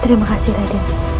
terima kasih raden